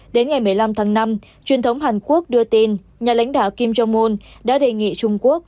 đến ngày một mươi năm tháng năm truyền thống hàn quốc đưa tin nhà lãnh đạo kim jong un đã đề nghị trung quốc